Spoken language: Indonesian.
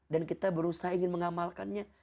dan kita berusaha ingin mengamalkannya